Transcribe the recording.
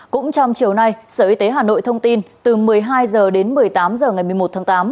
cũng trong chiều nay sở y tế hà nội thông tin từ một mươi hai h đến một mươi tám h ngày một mươi một tháng tám